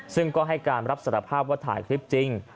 ซึ่งก็ให้การรับสารภาพว่าถ่ายคลิปจริง